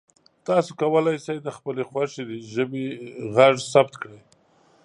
تاسو کولی شئ د خپلې خوښې ژبې غږ ثبت کړئ.